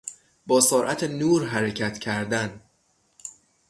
با سرعت نور حرکت کردن